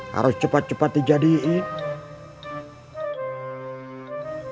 harus cepat cepat dijadikan